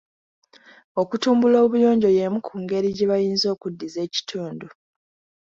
Okutumbula obuyonjo y'emu ku ngeri gye bayinza okuddiza ekitundu.